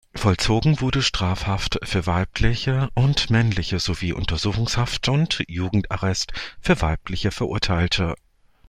Vollzogen wurde Strafhaft für weibliche und männliche sowie Untersuchungshaft und Jugendarrest für weibliche Verurteilte.